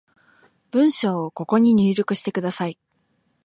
文章をここに入力してください